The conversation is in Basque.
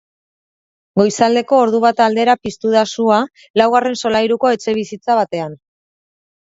Goizaldeko ordubata aldera piztu da sua, laugarren solairuko etxebizitza batean.